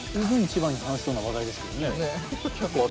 一番に話しそうな話題ですけどね。